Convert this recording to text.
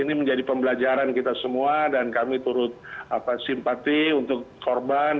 ini menjadi pembelajaran kita semua dan kami turut simpati untuk korban